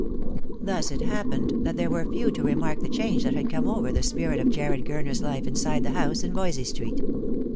Thus it happened that there were few to remark the change that had come over the spirit of Jarred Gurner's life inside the house in Voysey street.